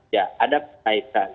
ya ada penaikan